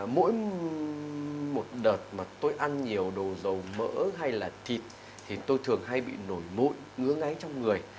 mỗi một đợt mà tôi ăn nhiều đồ dầu mỡ hay là thịt thì tôi thường hay bị nổi mụn ngứa ngáy trong người